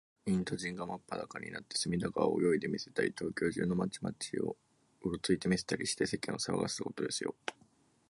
インド人がまっぱだかになって、隅田川を泳いでみせたり、東京中の町々を、うろついてみせたりして、世間をさわがせたことですよ。